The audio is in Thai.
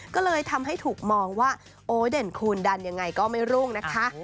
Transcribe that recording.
ก็เลยทำให้ถูกมองว่าโอ๊เด่นคูณดันยังไงก็ไม่รุ่งนะคะ